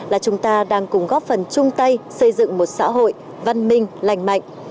là chúng ta đang cùng góp phần chung tay xây dựng một xã hội văn minh lành mạnh